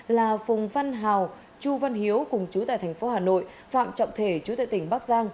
là phùng văn hào chu văn hiếu cùng chú tại thành phố hà nội phạm trọng thể chú tại tỉnh bắc giang